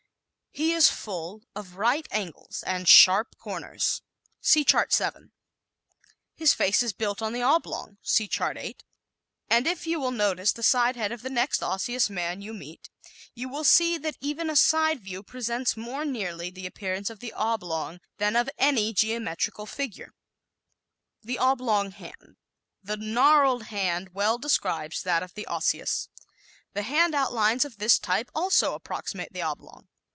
He is full of right angles and sharp corners. (See Chart 7) His face is built on the oblong (See Chart 8) and if you will notice the side head of the next Osseous man you meet you will see that even a side view presents more nearly the appearance of the oblong than of any other geometrical figure. The Oblong Hand ¶ "The gnarled hand" well describes that of the Osseous. The hand outlines of this type also approximate the oblong.